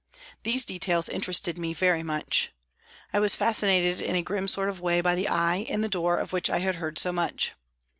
These details interested me very much. I was fascinated in a grim sort of way by the " eye " in the door of which I had heard so much.